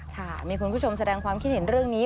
ค่ะมีคุณผู้ชมแสดงความคิดเห็นเรื่องนี้